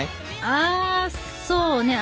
あそうね